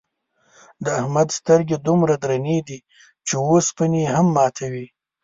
د احمد سترگې دومره درنې دي، چې اوسپنې هم ماتوي.